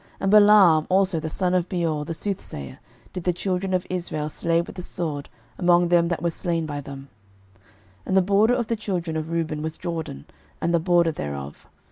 06:013:022 Balaam also the son of Beor, the soothsayer, did the children of Israel slay with the sword among them that were slain by them. 06:013:023 And the border of the children of Reuben was Jordan, and the border thereof.